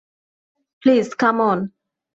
Please come on.